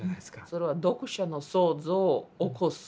それは読者の想像を起こす。